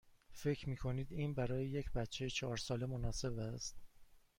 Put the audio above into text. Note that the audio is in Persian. فکر می کنید این برای یک بچه چهار ساله مناسب است؟